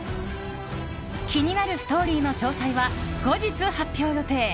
気になるストーリーの詳細は後日発表予定。